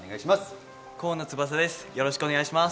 よろしくお願いします。